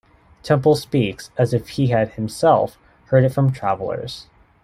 Temple speaks as if he had himself heard it from travellers.